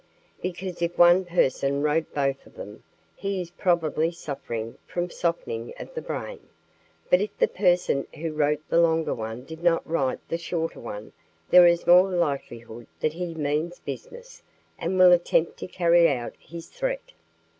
"Because if one person wrote both of them, he is probably suffering from softening of the brain. But if the person who wrote the longer one did not write the shorter one, there is more likelihood that he means business and will attempt to carry out his threat."